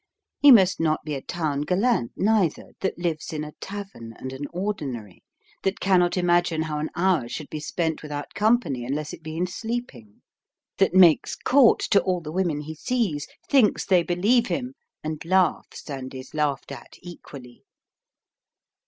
He must not be a town gallant neither, that lives in a tavern and an ordinary, that cannot imagine how an hour should be spent without company unless it be in sleeping, that makes court to all the women he sees, thinks they believe him, and laughs and is laughed at equally.